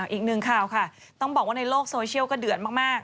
อีกหนึ่งข่าวค่ะต้องบอกว่าในโลกโซเชียลก็เดือดมาก